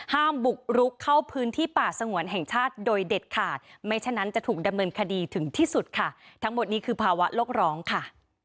บุกรุกเข้าพื้นที่ป่าสงวนแห่งชาติโดยเด็ดขาดไม่ฉะนั้นจะถูกดำเนินคดีถึงที่สุดค่ะทั้งหมดนี้คือภาวะโลกร้องค่ะ